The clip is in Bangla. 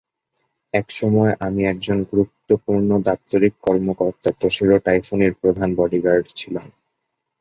এক সময় আমি একজন গুরুত্বপূর্ণ দাপ্তরিক কর্মকর্তা তোশিরো টাইফুনির প্রধান বডিগার্ড ছিলাম।